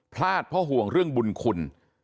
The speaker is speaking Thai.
พลาดเพราะห่วงเรื่องบุญคุณ